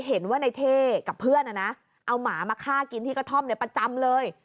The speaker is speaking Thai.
เห็นว่าในเท่กับเพื่อนเอาหมามาฆ่ากินที่กระท่อมประจำเลย